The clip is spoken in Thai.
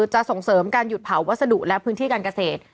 จะส่งเสริมการหยุดเผาวัสดุและพื้นที่การเกษตร